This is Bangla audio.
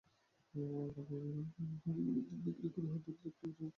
গাভীগুলোর দুধ বিক্রি করা হয়, দুধের একটি অংশ আবাসিক ছাত্ররা পেয়েও থাকে।